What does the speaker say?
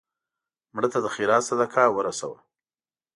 مړه ته د خیرات صدقه ورسوه